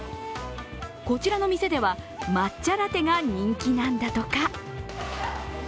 こちらの店では抹茶ラテが人気なんだとか。